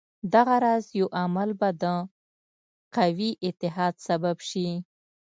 دغه راز یو عمل به د قوي اتحاد سبب شي.